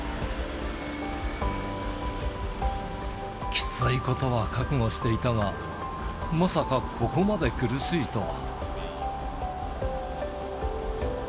きついことは覚悟していたが、まさかここまで苦しいとは。